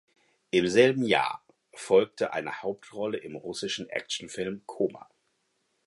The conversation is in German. Im selben Jahr folgte eine Hauptrolle im russischen Actionfilm "Coma".